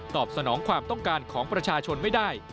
สนองความต้องการของประชาชนไม่ได้